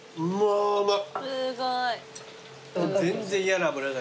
あうまい。